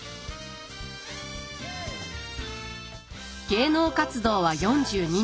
芸能活動は４２年。